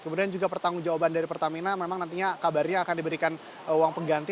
kemudian juga pertanggung jawaban dari pertamina memang nantinya kabarnya akan diberikan uang pengganti